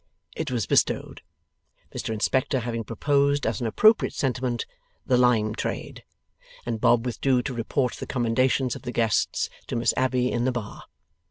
It was bestowed (Mr Inspector having proposed as an appropriate sentiment 'The lime trade!') and Bob withdrew to report the commendations of the guests to Miss Abbey in the bar.